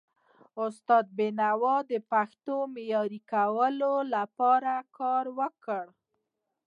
استاد بینوا د پښتو د معیاري کولو لپاره کار وکړ.